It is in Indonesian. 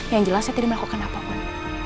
yang jelas saya tidak melakukan apapun